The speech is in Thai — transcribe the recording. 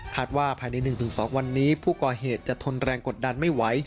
ว่าภายใน๑๒วันนี้ผู้ก่อเหตุจะทนแรงกดดันไม่ไหว